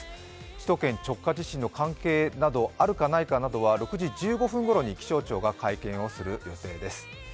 首都圏直下地震の関係などあるかないかなどは６時１５分ごろに気象庁が会見をする予定です。